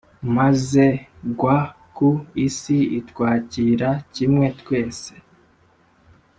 maze ngwa ku isi itwakira kimwe twese,